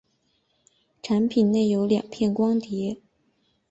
产品内有两片光碟。